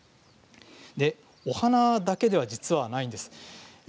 お花だけではないんですね。